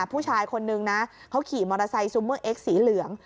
ผู้ชายคนนึงนะเขาขี่มอเตอร์ไซค์ซูเมอร์เอ็กซสีเหลือง